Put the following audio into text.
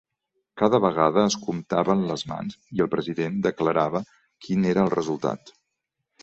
Cada vegada es comptaven les mans i el president declarava quin era el resultat.